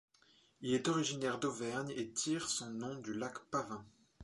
Il est originaire d'Auvergne et tire son nom du lac Pavin.